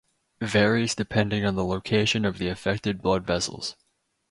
Varies depending on the location of the affected blood vessels.